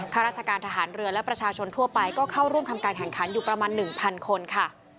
ข้าราชการทหารเรือและประชาชนทั่วไปก็เข้าร่วมทำการแข่งขันอยู่ประมาณ๑๐๐คนค่ะ